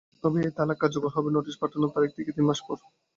তবে এই তালাক কার্যকর হবে নোটিশ পাঠানোর তারিখ থেকে তিন মাস পর।